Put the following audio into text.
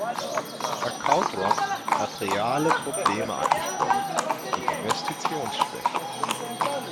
Herr Caudron hat reale Probleme angesprochen, die Investitionsschwäche.